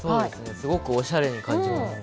すごくおしゃれに感じます。